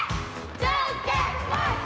じゃんけんぽん！